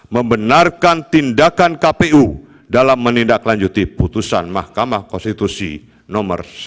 membenarkan tindakan kpu dalam menindak lanjuti putusan mahkamah konstitusi no sembilan puluh